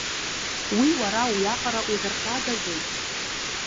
Уи уара уиаҟара узархагазеи?!